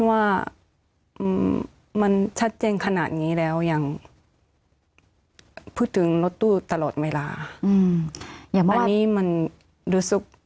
ว่ามันชัดเจนขนาดนี้แล้วอย่างพูดถึงรถตู้ตลอดเวลาอย่างว่านี้มันรู้สึกรู้สึกยอมไม่ได้